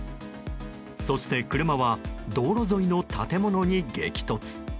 そして車は道路沿いの建物に激突。